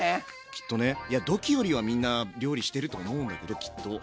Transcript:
きっとねドッキーよりはみんな料理してると思うんだけどきっと。